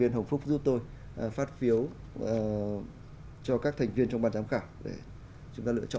nó sống việt lập đó